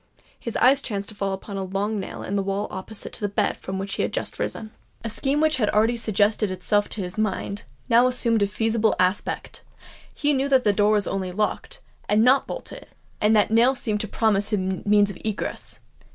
His eye chanced to fall upon a long nail in the wall opposite to the bed from which he had just risen. A scheme which had already suggested itself to his mind, now assumed a feasible aspect:—he knew that the door was only locked, and not bolted; and that nail seemed to promise the means of egress.